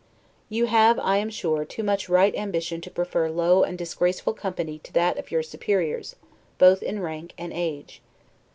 You have, I am sure, too much right ambition to prefer low and disgraceful company to that of your superiors, both in rank and age.